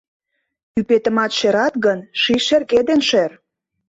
Ӱпетымат шерат гын, ший шерге ден шер.